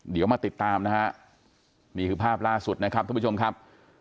เดี๋ยวมาติดตามนะฮะนี่คือภาพล่าสุดนะครับท่านผู้ชมครับ